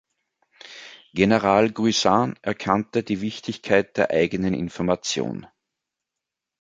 General Guisan erkannte die Wichtigkeit der eigenen Information.